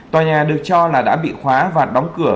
tòa nhà được cho là đã bị khóa và đóng cửa